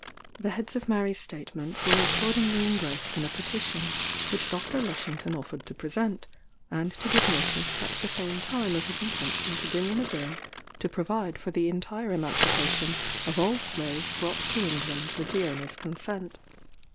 The heads of Mary's statement were accordingly engrossed in a Petition, which Dr. Lushington offered to present, and to give notice at the same time of his intention to bring in a Bill to provide for the entire emancipation of all slaves brought to England with the owner's consent.